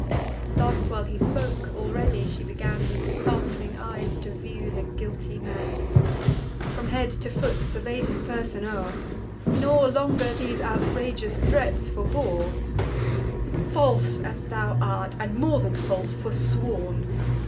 Thus while he spoke, already she began, With sparkling eyes, to view the guilty man; From head to foot survey'd his person o'er, Nor longer these outrageous threats forebore: "False as thou art, and, more than false, forsworn!